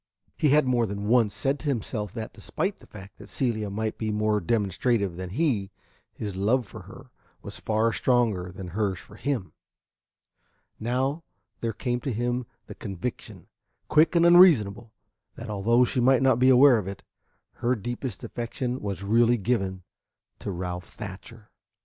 He had more than once said to himself that, despite the fact that Celia might be more demonstrative than he, his love for her was far stronger than hers for him. Now there came to him the conviction, quick and unreasonable, that although she might not be aware of it, her deepest affection was really given to Ralph Thatcher.